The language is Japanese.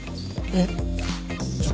えっ？